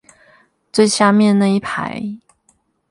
最下面那一排